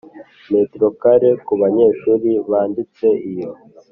metero kare ku banyeshuri banditse Iyo